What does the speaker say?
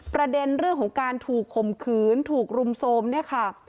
ประเด็นเรื่องของการถูกข่มขืนถูกรุมโทรมเนี่ยค่ะ